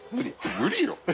無理よ